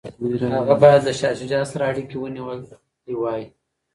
هغه باید له شاه شجاع سره اړیکي ونیولي وای.